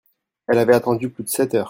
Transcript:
Elle avait attendu plus de sept heures.